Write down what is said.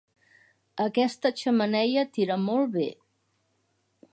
Aquesta xemeneia tira molt bé.